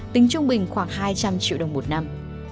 tính trung bình khoảng hai trăm linh triệu đồng một năm